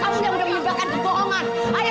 kamu yang udah ulimpakan kebohongan